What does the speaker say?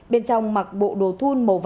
bên trong mặc bộ đồ thun màu xanh